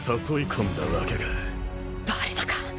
バレたか